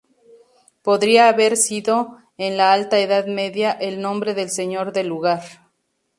Podría haber sido, en la alta edad media, el nombre del señor del lugar.